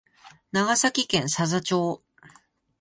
長崎県佐々町